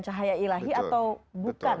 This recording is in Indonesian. cahaya ilahi atau bukan